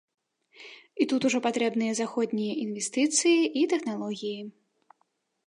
І тут ужо патрэбныя заходнія інвестыцыі і тэхналогіі.